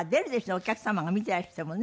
お客様が見てらしてもね。